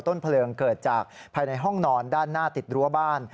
ต้นเพลิงเกิดจากภายในห้องนอนด้านหน้าติดรั้วบ้าน